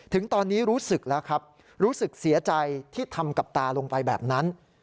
ถึงตอนนี้รู้สึกเสียใจที่ทำกับตาลงไปแบบนั้น